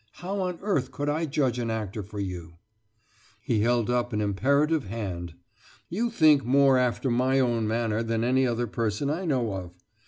How on earth could I judge an actor for you?" He held up an imperative band. "You think more after my own manner than any other person I know of.